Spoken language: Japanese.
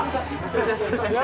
よし！